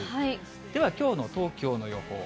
では、きょうの東京の予報。